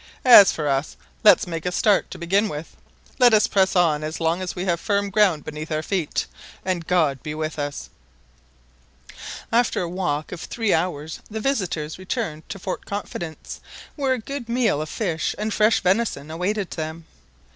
As for us, let's make a start to begin with. Let us press on as long as we have firm ground beneath our feet, and God be with us!" After a walk of three hours the visitors returned to Fort Confidence, where a good meal of fish and fresh venison awaited them.